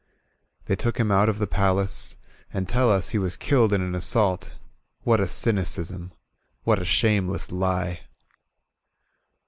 They took him out of the Vcilace And teU us he was kiUed in an assault What a cymdsml What a shameless lie!